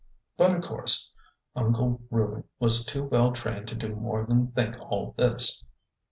But, of course, Uncle Reuben was too well trained to do more than think all this.